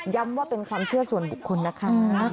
ว่าเป็นความเชื่อส่วนบุคคลนะคะ